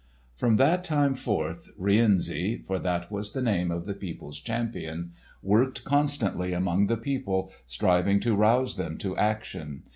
From that time forth Rienzi—for that was the name of the people's champion—worked constantly among the people, striving to rouse them to action.